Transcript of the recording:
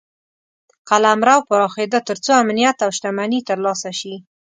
قلمرو پراخېده تر څو امنیت او شتمني ترلاسه شي.